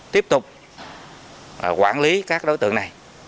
tiếp tục quản lý các đối tượng này